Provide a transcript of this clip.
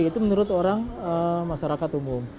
itu menurut orang masyarakat umum